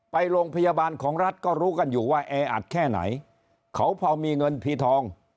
ไปโรงพยาบาลของรัฐก็รู้กันอยู่ว่าแออัดแค่ไหนเขาพอมีเงินพีทอง